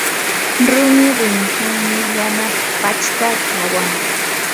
rumi rumichawmi yana pachka kawan.